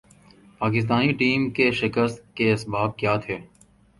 Pakistani team کے شکست کے اسباب کیا تھے ۔